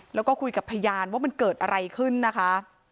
แล้วก็คุยกับพยานว่ามันเกิดอะไรขึ้นนะคะ